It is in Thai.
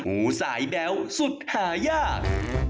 งูสายแบ๊วสุดหายาก